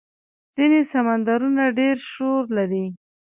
ځینې سمندرونه ډېر شور لري.